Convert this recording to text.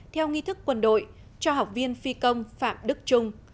theo nghi thức quân đội cho học viên phi công phạm đức trung